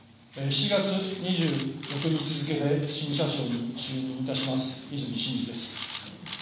７月２６日付で新社長に就任いたします和泉伸二です。